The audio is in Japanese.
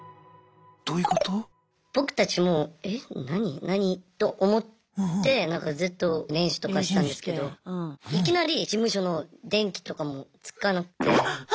僕たちも「え何？何？」と思ってずっと練習とかしてたんですけどいきなり事務所の電気とかもつかなくて。